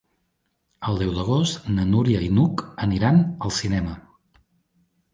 El deu d'agost na Núria i n'Hug aniran al cinema.